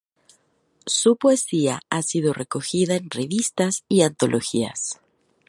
Su poesía ha sido recogida en revistas y antologías.